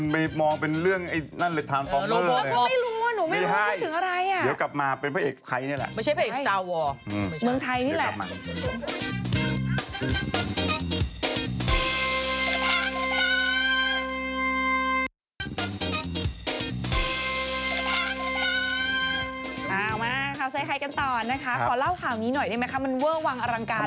มันเวอร์วางอารังการมากเลยจริง